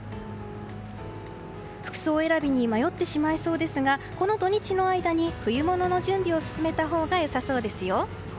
服装選びに迷ってしまいそうですがこの土日の間に冬物の準備を進めたほうが良さそうです。